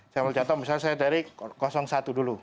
saya mau contoh misalnya saya dari satu dulu